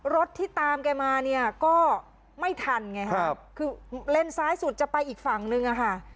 รถที่ตามมาก็ไม่ทันไงค่ะคือเล่นซ้ายสุดจะไปอีกฝั่งนึง